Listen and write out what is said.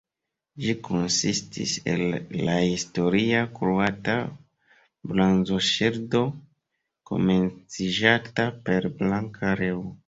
Ĝi konsistis el la historia kroata blazonŝildo, komenciĝanta per blanka areo.